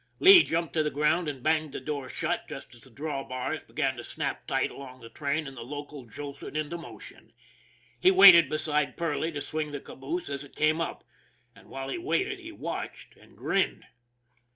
Lee jumped to the ground and banged the door shut, just as the drawbars began to snap tight along the train and the local jolted into motion. He waited beside Perley to swing the caboose as it came up. And while he waited he watched and grinned.